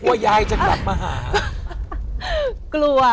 กลัวยายจะกลับมาหา